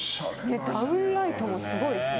ダウンライトもすごいですね。